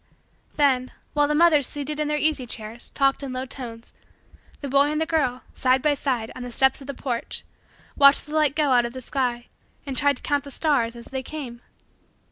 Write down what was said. Then, while the mothers, seated in their easy chairs, talked in low tones, the boy and the girl, side by side, on the steps of the porch, watched the light go out of the sky and tried to count the stars as they came.